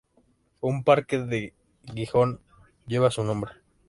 Un parque de Gijón lleva su nombre.